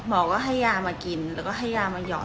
หมอก็ให้ยามากินแล้วก็ให้ยามาหยอด